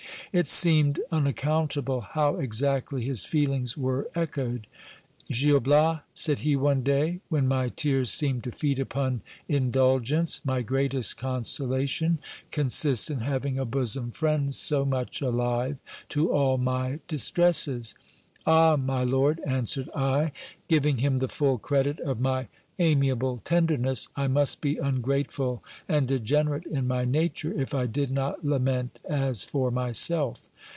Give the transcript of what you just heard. It seemed unaccountable how exactly his feelings were echoed. Gil Bias, said he one day, when my tears seemed to feed upon indul gence, my greatest consolation consists in having a bosom friend so much alive to all my distresses. Ah ! my lord, answered I, giving him the full credit of my amiable tenderness, I must be ungrateful and degenerate in my nature if I did not lament as for myself.